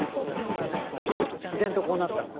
自然とこうなったんだ？